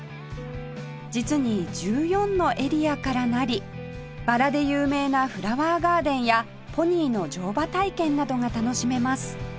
実に１４のエリアからなりバラで有名なフラワーガーデンやポニーの乗馬体験などが楽しめます